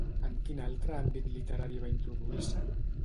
En quin altre àmbit literari va introduir-se?